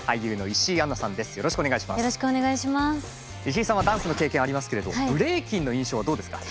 石井さんはダンスの経験ありますけれどブレイキンの印象はどうですか？